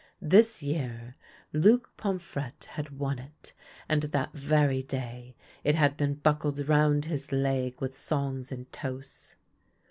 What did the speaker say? This year Luc Pomfrette had won it, and that very day it had been buckled round his leg with songs and toasts.